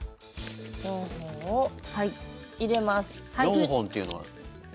４本を入れます。